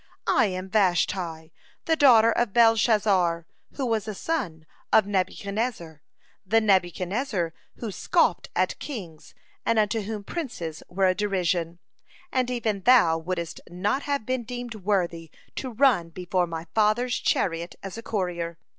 I am Vashti, the daughter of Belshazzar, who was a son of Nebuchadnezzar, the Nebuchadnezzar who scoffed at kings and unto whom princes were a derision, and even thou wouldst not have been deemed worthy to run before my father's chariot as a courier.